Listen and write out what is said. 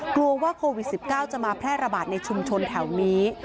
กลัวว่าโควิด๑๙จะมาแพร่ระบาดในชุมชนแถวนี้